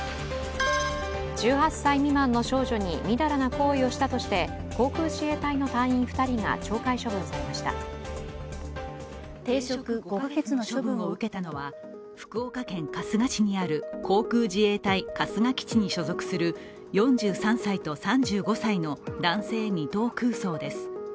１８歳未満の少女に淫らな行為をしたとして、航空自衛隊の隊員２人が懲戒処分されました停職５か月の処分を受けたのは、福岡県春日市にある航空自衛隊春日基地に所属する４３歳と３５歳の男性２等空曹です。